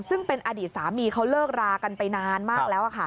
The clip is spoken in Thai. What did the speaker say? ซึ่งเป็นอดีตสามีเขาเลิกรากันไปนานมากแล้ว